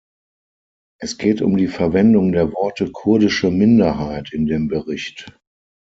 Es geht um die Verwendung der Worte "kurdische Minderheit" in dem Bericht.